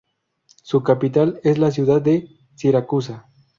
Su capital es la ciudad de Siracusa.